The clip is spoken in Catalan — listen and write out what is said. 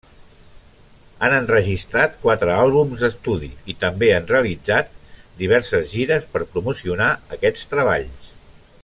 Han enregistrat quatre àlbums d'estudi i també han realitzat diverses gires per promocionar aquests treballs.